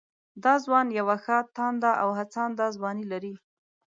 دا ځوان يوه ښه تانده او هڅانده ځواني لري